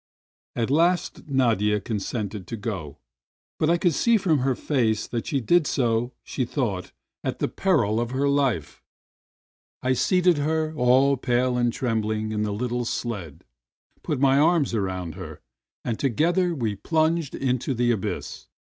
At last Nadia consented to go, but I could see from her face that she did so, she thought, at the peril of 79 80 RUSSIAN SILHOUETTES her life. I seated her, all pale and trembling, in the httle sled, put my arm around her, and together we plunged into the abyss.